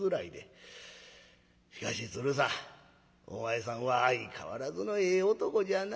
しかし鶴さんお前さんは相変わらずのええ男じゃなあ。